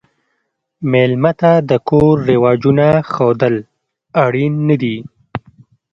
مېلمه ته د کور رواجونه ښودل اړین نه دي.